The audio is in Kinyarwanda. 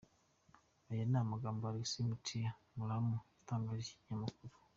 Aya ni amagambo Axel Mutia Mburano yatangarije iki kinyamakuru .